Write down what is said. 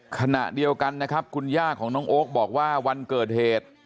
ขณะเดียวกันนะครับคุณย่าของน้องโอ๊คบอกว่าวันเกิดเหตุ